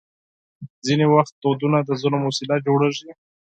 ځینې وخت دودونه د ظلم وسیله جوړېږي.